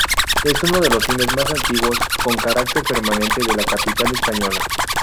Es uno de los cines más antiguos con carácter permanente de la capital española.